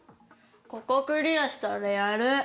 ここクリアしたらやる。